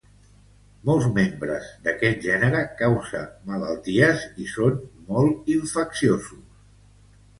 Molts membres d’aquest gènere cause malalties i són molt infecciosos.